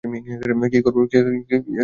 কি করবো আমরা এখন?